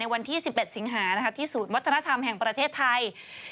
วันที่๑๑สิงหาที่ศูนย์วัฒนธรรมแห่งประเทศไทย